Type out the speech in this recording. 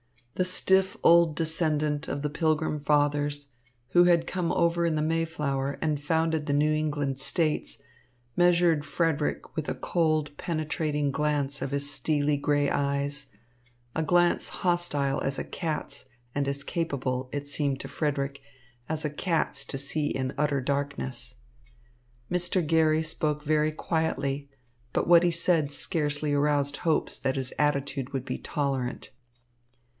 The stiff old descendant of the Pilgrim Fathers, who had come over in the Mayflower and founded the New England States, measured Frederick with a cold, penetrating glance of his steely grey eyes, a glance hostile as a cat's and as capable, it seemed to Frederick, as a cat's to see in utter darkness. Mr. Garry spoke very quietly, but what he said scarcely aroused hopes that his attitude would be tolerant.